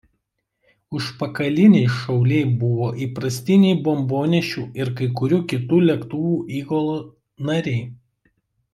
Užpakaliniai šauliai buvo įprastiniai bombonešių ir kai kurių kitų lėktuvų įgulų nariai.